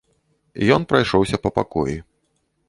Ён прайшоўся па пакоі.